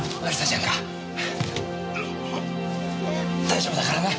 大丈夫だからな！